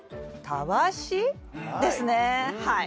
たわしですねはい。